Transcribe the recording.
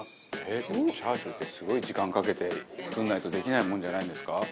でもチャーシューってすごい時間かけて作らないとできないもんじゃないんですか？